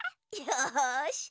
よし。